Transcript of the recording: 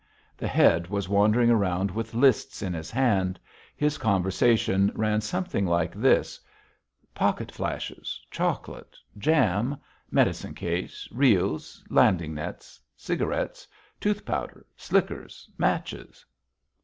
The Head was wandering around with lists in his hand. His conversation ran something like this: "Pocket flashes, chocolate, jam, medicine case, reels, landing nets, cigarettes, tooth powder, slickers, matches."